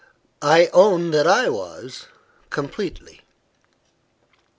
I own that I was, completely.